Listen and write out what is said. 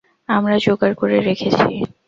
আমরা জোগাড় করে রেখেছি।